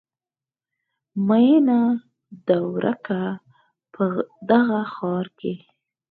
میینه ده ورکه په دغه ښار کې